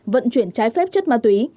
vận chuyển trái phép chất ma túy